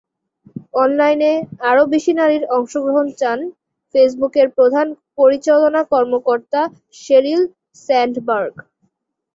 অনলাইনে আরও বেশি নারীর অংশগ্রহণ চান ফেসবুকের প্রধান পরিচালনা কর্মকর্তা শেরিল স্যান্ডবার্গ।